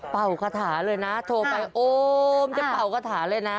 คาถาเลยนะโทรไปโอมจะเป่ากระถาเลยนะ